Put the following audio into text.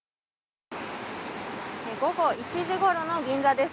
午後１時ごろの銀座です。